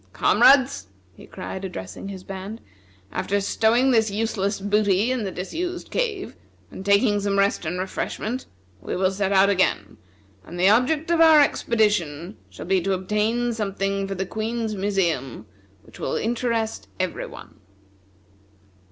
"Comrades!" he cried, addressing his band, "after stowing this useless booty in the disused cave, and taking some rest and refreshment, we will set out again, and the object of our expedition shall be to obtain something for the Queen's museum which will interest every one."